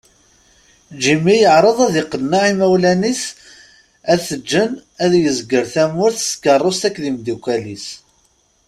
Jimmy yeɛreḍ ad iqenneɛ imawlan-is ad t-ǧǧen ad yezger tamurt s tkeṛṛust akked imdukal-is.